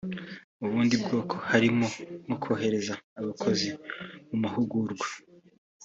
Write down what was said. Mu bundi bwoko harimo nko kohereza abakozi mu mahugurwa